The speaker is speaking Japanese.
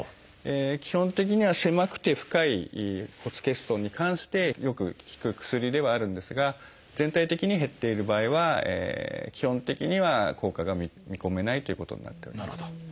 基本的には狭くて深い骨欠損に関してよく効く薬ではあるんですが全体的に減っている場合は基本的には効果が見込めないということになっております。